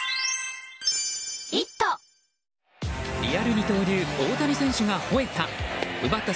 リアル二刀流大谷選手がほえた。